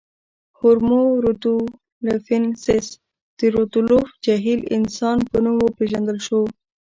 هومو رودولفنسیس د رودولف جهیل انسان په نوم وپېژندل شو.